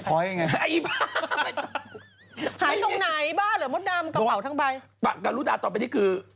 การุดาตอบไปที่คือ